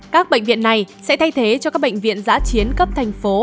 các bệnh viện này sẽ thay thế cho các bệnh viện giã chiến cấp thành phố